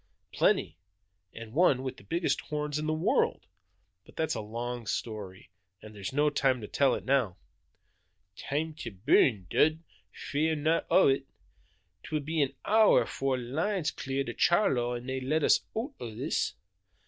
"Plenty, and one with the biggest horns in the world! But that's a long story, and there's no time to tell it now." "Time to burrn, Dud, nae fear o' it! 'Twill be an hour afore the line's clear to Charlo an' they lat us oot o' this.